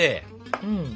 うん。